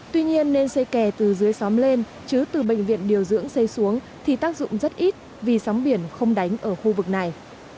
tuy nhiên nên xây kè từ dưới xóm lên chứ từ bệnh viện điều dưỡng xây xuống thì tác dụng rất ít vì sóng biển không đánh ở khu vực này